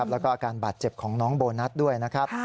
แล้วก็อาการบาดเจ็บของน้องโบนัสด้วยนะครับ